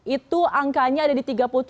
itu angkanya ada di tiga puluh tujuh